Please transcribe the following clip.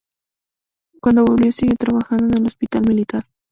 Cuando volvió siguió trabajando en el Hospital militar.